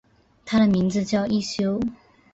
他的名字叫一休。